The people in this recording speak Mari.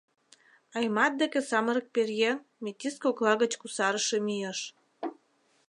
Аймат деке самырык пӧръеҥ — метис кокла гыч кусарыше мийыш.